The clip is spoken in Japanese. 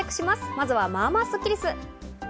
まずは、まあまあスッキりす。